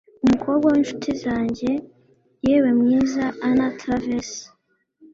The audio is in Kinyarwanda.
umukobwa w'inshuti zanjye, yewe mwiza anna travers